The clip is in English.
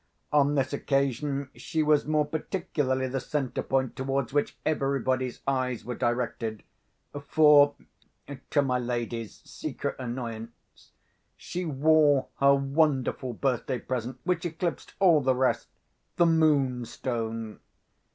On this occasion she was more particularly the centre point towards which everybody's eyes were directed; for (to my lady's secret annoyance) she wore her wonderful birthday present, which eclipsed all the rest—the Moonstone.